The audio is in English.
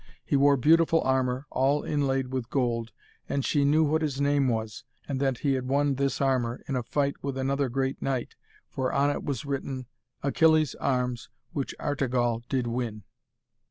He wore beautiful armour, all inlaid with gold, and she knew what his name was, and that he had won this armour in a fight with another great knight, for on it was written: '_Achilles' armes which Artegall did win.